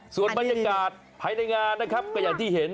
ส่วนบรรยากาศภายในงานนะครับก็อย่างที่เห็น